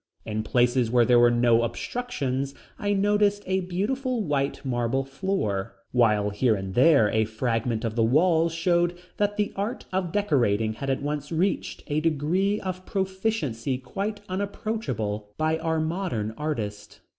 In places where there were no obstructions I noticed a beautiful white marble floor, while here and there a fragment of the walls showed that the art of decorating had at one time reached a degree of proficiency quite unapproachable by our modern artists.